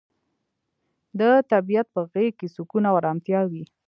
د طبیعت په غیږ کې سکون او ارامتیا وي.